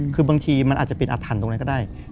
คือบางทีมันอาจจะเป็นอาถรรพ์ตรงนั้นก็ได้